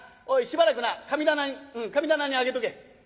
おいしばらくな神棚に神棚に上げとけ。